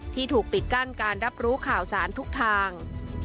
ที่ถูกปิดกั้นการรับรู้ข่าวสารทุกทาง